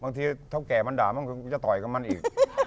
เท่าแก่มันด่ามันก็จะต่อยกับมันอีก